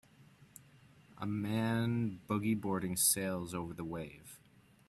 A man boogie boarding sails over the wave.